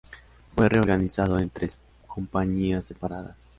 Fue reorganizado en tres compañías separadas.